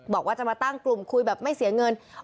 บอกว่าจะมาตั้งกลุ่มคุยแบบไม่เสียเงิน